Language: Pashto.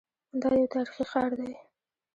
دا یو تاریخي ښار دی.